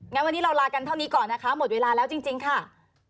งั้นวันนี้เราลากันเท่านี้ก่อนนะคะหมดเวลาแล้วจริงค่ะ